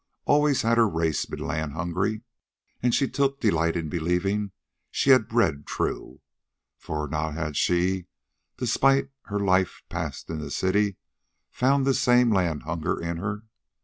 Always had her race been land hungry, and she took delight in believing she had bred true; for had not she, despite her life passed in a city, found this same land hunger in her?